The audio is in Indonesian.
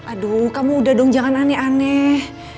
aduh kamu udah dong jangan aneh aneh